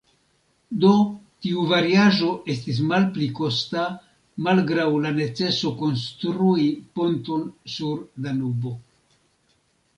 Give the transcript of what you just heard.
Do tiu variaĵo estis malpli kosta, malgraŭ la neceso konstrui ponton sur Danubo.